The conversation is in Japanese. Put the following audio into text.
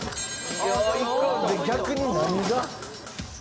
逆に何が？